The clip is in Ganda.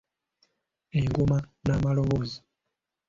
Engoma n’amaloboozi.